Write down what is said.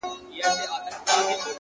• سم پر مځکه ولوېدی ژړ لکه نل سو ,